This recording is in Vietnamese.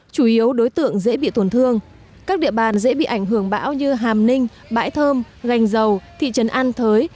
chủ yếu đối tượng dễ bị tổn thương các địa bàn dễ bị ảnh hưởng bão như hàm ninh bãi thơm gành dầu thị trấn an thới